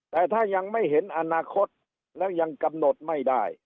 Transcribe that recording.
แต่ถ้ายังไม่เห็นอนาคตแล้วยังกำหนดไม่ได้